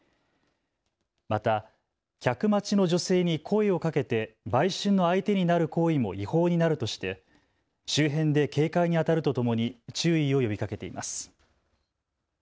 また客待ちの女性に声をかけて売春の相手になる行為も違法になるとして周辺で警戒にあたるとともに注意を呼びかけています。